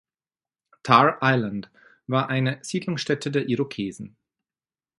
Tar Island war eine Siedlungsstätte der Irokesen.